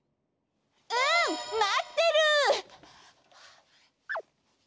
うんまってる！